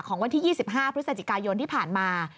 วันที่๒๕พฤศจิกายนที่ผ่านมา